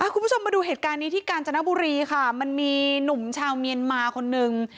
คุณผู้ชมมาดูเหตุการณ์นี้ที่กาญจนบุรีค่ะมันมีหนุ่มชาวเมียนมาคนนึง